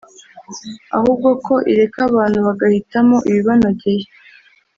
ahubwo ko ireka abantu bagahitamo ibibanogeye